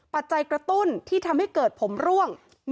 ปัจจัยกระตุ้นที่ทำให้เกิดผมร่วง